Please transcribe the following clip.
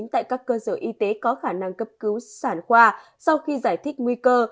tại các cơ sở y tế có khả năng cấp cứu sản khoa sau khi giải thích nguy cơ